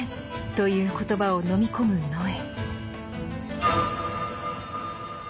という言葉を飲み込む野枝。